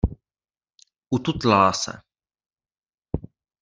Ututlala se.